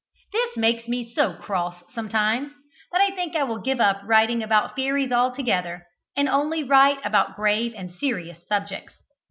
This makes me so cross sometimes, that I think I will give up writing about fairies altogether, and only write about grave and serious subjects.